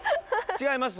違います。